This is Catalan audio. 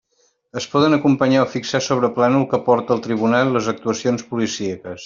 Es poden acompanyar o fixar sobre plànol que aporte el tribunal les actuacions policíaques.